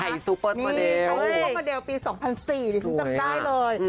ใครซูเปอร์ดประเดลนี่เค้าพูดว่าประเดลปี๒๐๐๔ดิฉันจำได้เลย